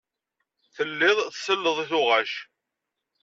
Telliḍ tselleḍ i tuɣac.